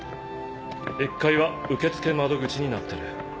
１階は受付窓口になってる。